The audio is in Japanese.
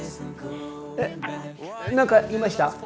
えっ何か言いました？